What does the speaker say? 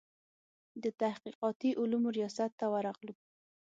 د تحقیقاتي علومو ریاست ته ورغلو.